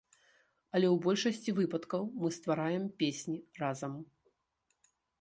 Але ў большасці выпадкаў мы ствараем песні разам.